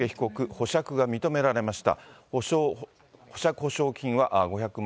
保釈が認められました。